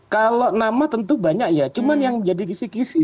kalau nama tentu banyak ya cuma yang jadi kisi kisi